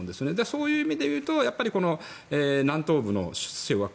そういう意味でいうと南東部の掌握。